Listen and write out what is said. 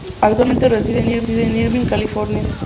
Actualmente reside en Irvine, California.